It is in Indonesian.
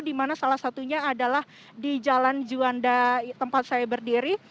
di mana salah satunya adalah di jalan juanda tempat saya berdiri